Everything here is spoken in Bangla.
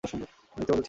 আমি মিথ্যা বলেছি?